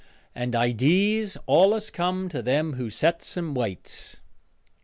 And idees allus comes to them who sets and waits.